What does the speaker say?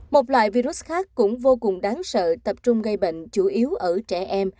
một loại virus khác cũng vô cùng đáng sợ tập trung gây bệnh chủ yếu ở trẻ em